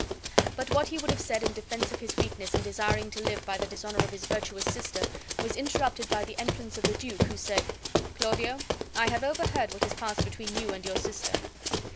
But what he would have said in defense of his weakness in desiring to live by the dishonor of his virtuous sister was interrupted by the entrance of the duke; who said: "Claudio, I have overheard what has passed between you and your sister.